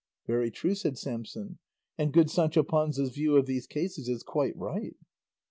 "Very true," said Samson, "and good Sancho Panza's view of these cases is quite right."